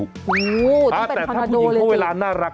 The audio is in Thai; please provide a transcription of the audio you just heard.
โอ้โฮต้องเป็นขนาดโดเลยอ่ะแต่ถ้าผู้หญิงเข้าเวลาน่ารัก